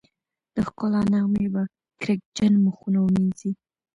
د ښکلا نغمې به کرکجن مخونه ومينځي